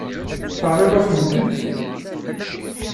Terriḍ-asent-tent-id?